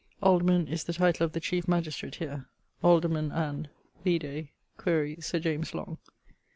[XC.] 'Alderman' is the title of the chiefe magistrate here. Alderman and ...; vide; quaere Sir J Long.